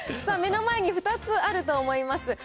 目の前に２つあると思います。